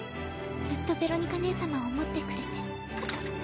ずっとベロニカ姉様を思ってくれて。